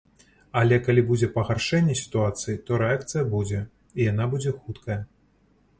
Але калі будзе пагаршэнне сітуацыі, то рэакцыя будзе, і яна будзе хуткая.